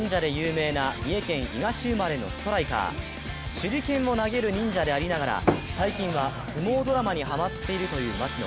手裏剣を投げる忍者でありながら相撲ドラマにハマっているという町野。